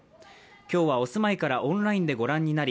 今日は、お住まいからオンラインで御覧になり、